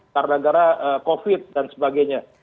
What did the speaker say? karena covid dan sebagainya